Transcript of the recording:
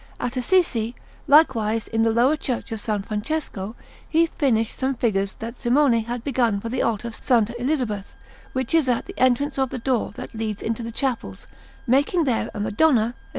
At Assisi, likewise, in the lower Church of S. Francesco, he finished some figures that Simone had begun for the altar of S. Elizabeth, which is at the entrance of the door that leads into the chapels, making there a Madonna, a S.